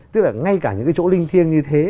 tức là ngay cả những cái chỗ linh thiêng như thế